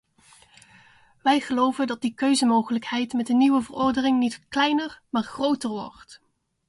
Wij geloven dat die keuzemogelijkheid met de nieuwe verordening niet kleiner maar groter wordt.